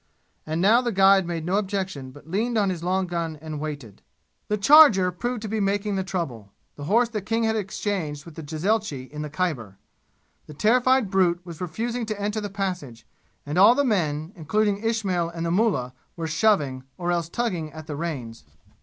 And now the guide made no objection but leaned on his long gun and waited. The charger proved to be making the trouble the horse that King had exchanged with the jezailchi in the Khyber. The terrified brute was refusing to enter the passage, and all the men, including Ismail and the mullah, were shoving, or else tugging at the reins.